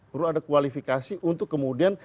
perlu ada kualifikasi untuk kemudian